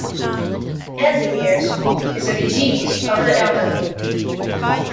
Alzheimer's is a disease of the elderly.